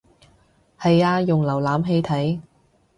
係啊用瀏覽器睇